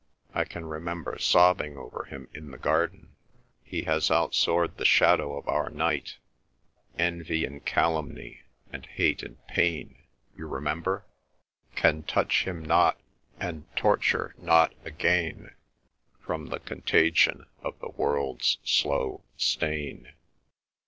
I can remember sobbing over him in the garden. He has outsoared the shadow of our night, Envy and calumny and hate and pain— you remember? Can touch him not and torture not again From the contagion of the world's slow stain.